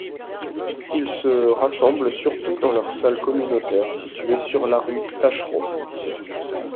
Ils se rassemblent surtout dans leur salle communautaire située sur la rue Taschereau.